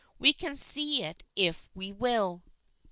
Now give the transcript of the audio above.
We can see it if we will.